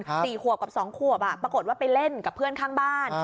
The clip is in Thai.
สี่ขวบกับสองขวบอ่ะปรากฏว่าไปเล่นกับเพื่อนข้างบ้าน